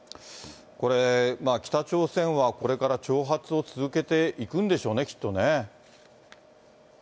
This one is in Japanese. これ、北朝鮮はこれから挑発を続けていくんでしょうね、きっとね。